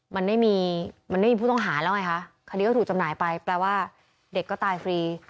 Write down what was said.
มันไม่มีมันไม่มีผู้ต้องหาแล้วไงคะคดีก็ถูกจำหน่ายไปแปลว่าเด็กก็ตายฟรี